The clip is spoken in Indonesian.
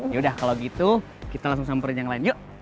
yaudah kalau gitu kita langsung sampai di yang lain yuk